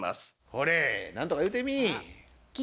ほれ何とか言うてみぃ。